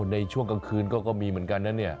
ในช่วงกลางคืนก็มีเหมือนกันนะเนี่ย